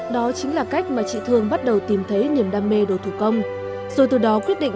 đó chính là cách mà chị thương bắt đầu tìm thấy niềm đam mê đồ thủ công rồi từ đó quyết định